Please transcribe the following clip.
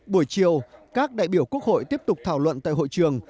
buổi chiều các đại biểu quốc hội tiếp tục thảo luận tại hội trường